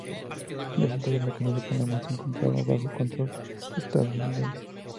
En ese entonces el canal de Panamá se encontraba bajo control estadounidense.